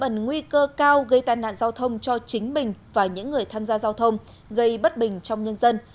nguy cơ cao gây tai nạn giao thông cho chính mình và những người tham gia giao thông gây bất bình trong nhân dân